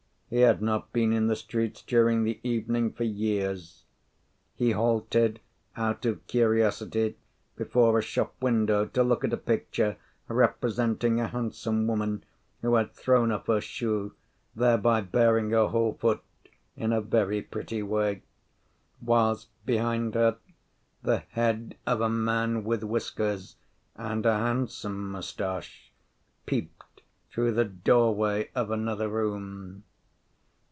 He had not been in the streets during the evening for years. He halted out of curiosity before a shop window to look at a picture representing a handsome woman, who had thrown off her shoe, thereby baring her whole foot in a very pretty way; whilst behind her the head of a man with whiskers and a handsome moustache peeped through the doorway of another room.